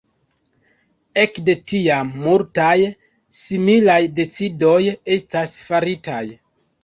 Ekde tiam, multaj similaj decidoj estas faritaj.